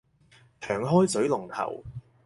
長開水龍頭